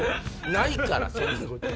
ないからそんなこと。